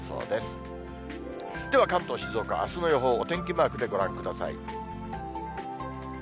では関東、静岡、あすの予報、お天気マークでご覧ください。